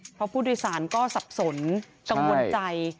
เพราะผู้โดยสารก็สับสนกังวลใจ